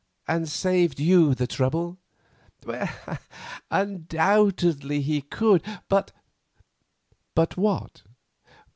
—and saved you the trouble?" "Undoubtedly he could; but——" "But what?"